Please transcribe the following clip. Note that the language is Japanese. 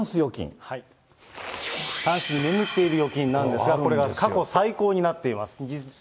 タンスに眠っている預金ですが、これが過去最高になっています。